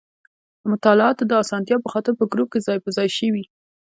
د مطالعاتو د اسانتیا په خاطر په ګروپ کې ځای په ځای شوي.